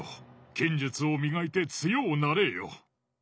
剣術を磨いて強おなれぇよ。